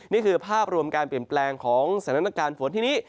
นี่คือภาพรวมการเปลี่ยนแปลงของสถานการณ์ฝนที่นี้